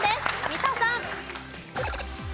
三田さん。